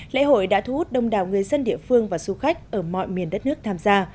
lễ hội đã thu hút đông đảo người dân địa phương và du khách ở mọi miền đất nước tham gia